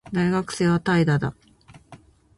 大学生は怠惰だ